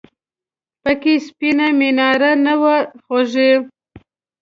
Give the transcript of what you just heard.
پکې سپینه میناره نه وه خوږې !